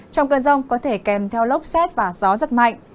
trong cơn rông có thể kèm theo lốc xét và gió rất mạnh